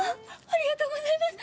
ありがとうございます！